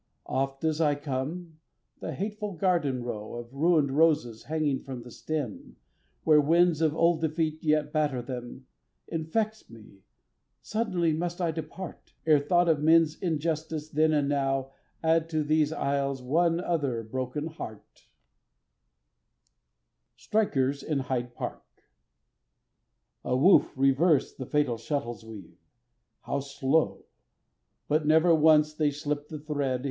Oft as I come, the hateful garden row Of ruined roses hanging from the stem, Where winds of old defeat yet batter them, Infects me: suddenly must I depart, Ere thought of men's injustice then and now Add to these aisles one other broken heart. Strikers in Hyde Park A WOOF reversed the fatal shuttles weave, How slow! but never once they slip the thread.